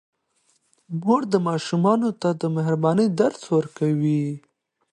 مور ماشومانو ته د مهربانۍ درس ورکوي.